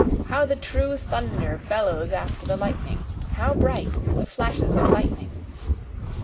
How the true thunder bellows after the lightning how bright the flashes of lightning!